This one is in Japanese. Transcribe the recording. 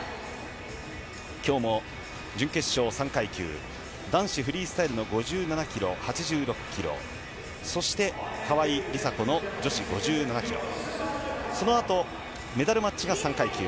きょうも準決勝３階級、男子フリースタイルの５７キロ、８６キロ、そして川井梨紗子の女子５７キロ、そのあと、メダルマッチが３階級。